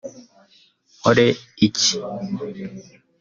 nkore iki